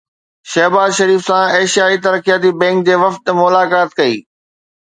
شهباز شريف سان ايشيائي ترقياتي بئنڪ جي وفد ملاقات ڪئي